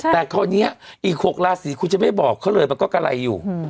แต่คราวนี้อีก๖ราศีคุณจะไม่บอกเขาเลยมันก็กะไรอยู่